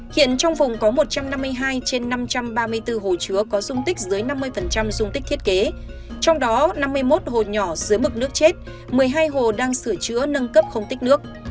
hiện trong vùng có một trăm năm mươi hai trên năm trăm ba mươi bốn hồ chứa có dung tích dưới năm mươi dung tích thiết kế trong đó năm mươi một hồ nhỏ dưới mực nước chết một mươi hai hồ đang sửa chữa nâng cấp không tích nước